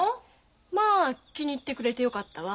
「まあ気に入ってくれてよかったわ」